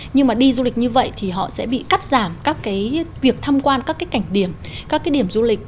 nhưng mà đi du lịch như vậy thì họ sẽ bị cắt giảm các cái việc tham quan các cái cảnh điểm các cái điểm du lịch